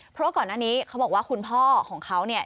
เพราะก่อนหน้านี้เขาบอกว่าคุณพ่อของเขาเนี่ย